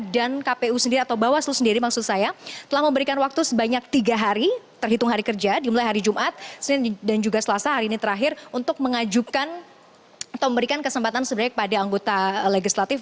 dan kpu sendiri atau bawaslu sendiri maksud saya telah memberikan waktu sebanyak tiga hari terhitung hari kerja dimulai hari jumat dan juga selasa hari ini terakhir untuk mengajukan atau memberikan kesempatan sebenarnya kepada anggota legislatif